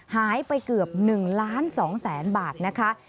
หายไปเกือบ๑ล้าน๒แสนบาทนะคะ